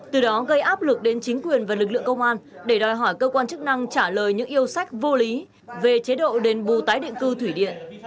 từ đó gây áp lực đến chính quyền và lực lượng công an để đòi hỏi cơ quan chức năng trả lời những yêu sách vô lý về chế độ đền bù tái định cư thủy điện